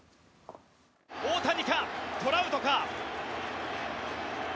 大谷か、トラウトか。